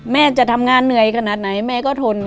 แม่จะทำงานเหนื่อยขนาดไหนแม่ก็ทน